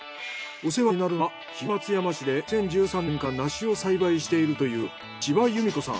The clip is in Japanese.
お世話になるのは東松山市で２０１３年からナシを栽培しているという千葉有美子さん。